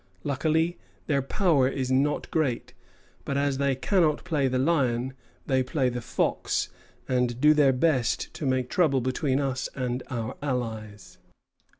Luckily, their power is not great; but as they cannot play the lion, they play the fox, and do their best to make trouble between us and our allies."